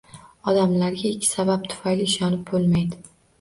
Odamlarga ikki sabab tufayli ishonib bo‘lmaydi: